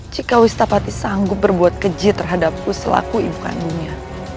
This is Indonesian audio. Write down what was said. jika wistapati sanggup berbuat keji terhadapku selaku imkan dunia